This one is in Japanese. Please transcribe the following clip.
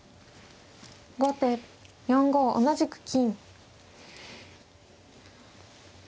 後手４五同じく金。